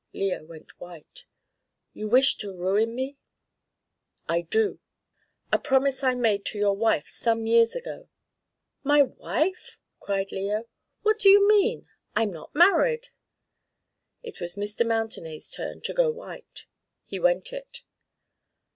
Leo went white. "You wish to ruin me?" "I do. A promise I made to your wife some years ago." "My wife?" cried Leo. "What do you mean? I'm not married." It was Mr. Mountenay's turn to go white. He went it.